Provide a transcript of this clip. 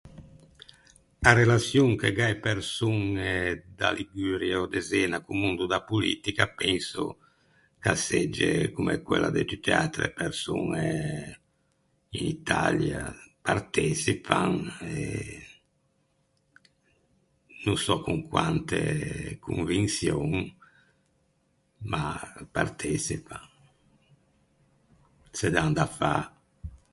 A relaçion che gh’à e persoñe da Liguria ò de Zena co-o mondo da politica penso ch’a segge comme quella de tutte e atre persoñe in Italia. Parteçipan e no sò con quante convinçion, ma parteçipan. Se dan da fâ.